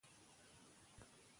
ښوونکی ناهیلی نه دی.